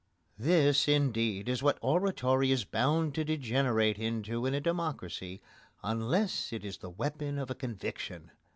This, indeed, is what oratory is bound to degenerate into in a democracy unless it is the weapon of a conviction.